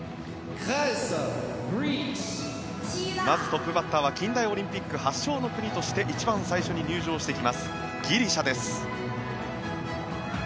まずトップバッターは近代オリンピック発祥の国として一番最初に入場してきますギリシャです。